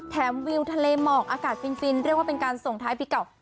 วิวทะเลหมอกอากาศฟินเรียกว่าเป็นการส่งท้ายปีเก่า